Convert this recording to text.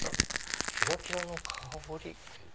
「キラキラのかほり」。